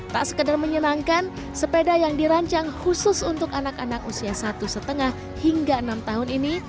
tak sekedar menyenangkan sepeda yang dirancang khusus untuk anak anak usia satu lima hingga enam tahun ini